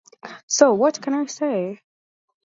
So what can I say?